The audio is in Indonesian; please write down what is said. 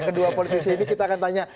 kedua politisi ini kita akan tanya